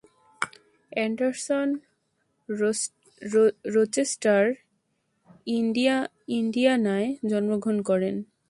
Anderson Rochester, ইন্ডিয়ানায় জন্মগ্রহণ করেন।